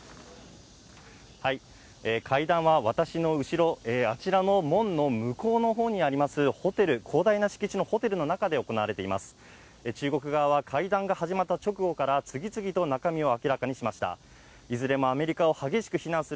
会談は私の後ろ、あちらの門の向こうのほうにありますホテル、広大な敷地のホテルの中で行われています。